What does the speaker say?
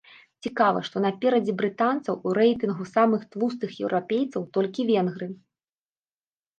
Цікава, што наперадзе брытанцаў у рэйтынгу самых тлустых еўрапейцаў толькі венгры.